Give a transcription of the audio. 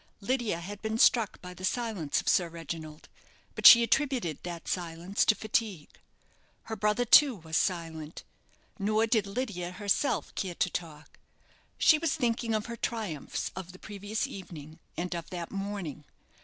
Lydia had been struck by the silence of Sir Reginald, but she attributed that silence to fatigue. Her brother, too, was silent; nor did Lydia herself care to talk. She was thinking of her triumphs of the previous evening, and of that morning.